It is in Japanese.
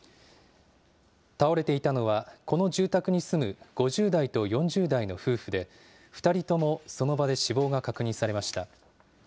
倒れていたのは、この住宅に住む５０代と４０代の夫婦で、２人ともその場で死亡が確認されました。